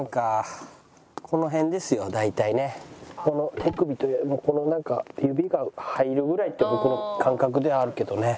手首とこのなんか指が入るぐらいって僕の感覚ではあるけどね。